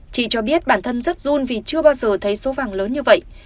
chị cho biết bản thân rất run vì chưa bao giờ thấy số vàng lớn như vậy